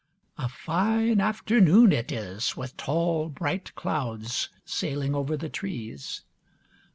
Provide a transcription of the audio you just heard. A fine afternoon it is, with tall bright clouds sailing over the trees.